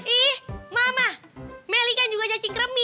ih mama meli kan juga cacing kremi